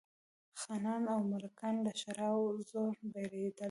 خانان او ملکان له ښرا او زور بېرېدل.